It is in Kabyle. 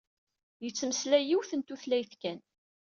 Yettmeslay yiwet n tutlayt kan.